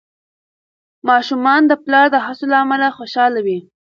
ماشومان د پلار د هڅو له امله خوشحال وي.